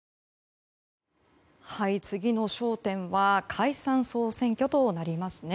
次の焦点は解散・総選挙となりますね。